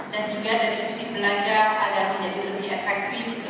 dan juga dari sisi belanja agar menjadi lebih efektif